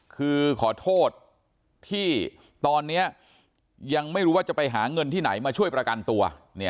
คือขอโทษที่ตอนนี้ยังไม่รู้ว่าจะไปหาเงินที่ไหนมาช่วยประกันตัว